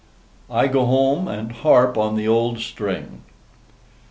I GO HOME, AND HARP ON THE OLD STRING.